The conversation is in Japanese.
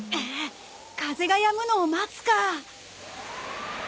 風がやむのを待つか。